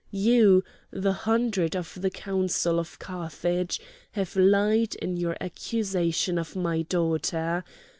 —you, the Hundred of the Council of Carthage, have lied in your accusation of my daughter!